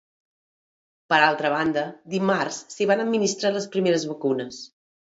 Per altra banda, dimarts s’hi van administrar les primeres vacunes.